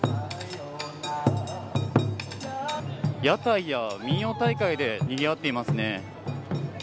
屋台や民謡大会でにぎわっていますね。